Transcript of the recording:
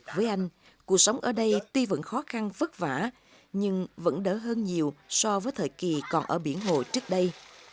với anh cuộc sống ở đây tuy vẫn khó khăn vất vả nhưng vẫn đỡ hơn nhiều so với thời kỳ còn ở biển hồ trước đây